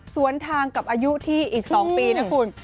สวนทางกับอายุที่อีก๒ปีนะคุณ